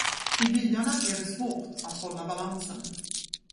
I byarna är det svårt att hålla balansen.